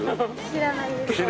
知らないです。